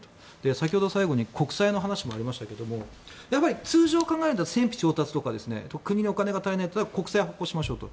先ほど国債の話もありましたが通常考えると戦費調達とか国のお金が足りないと国債を発行しましょうと。